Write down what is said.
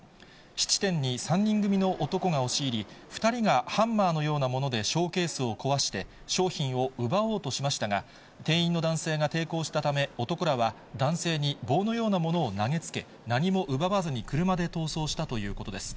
質店に３人組の男が押し入り、２人がハンマーのようなものでショーケースを壊して、商品を奪おうとしましたが、店員の男性が抵抗したため、男らは男性に棒のようなものを投げつけ、何も奪わずに車で逃走したということです。